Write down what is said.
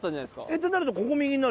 ってなると。